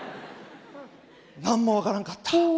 何も分からんかった。